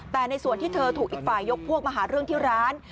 แต่ในส่วนที่เธอถูกอีกฝ่ายยกพวกมาหาเรื่องที่ร้าน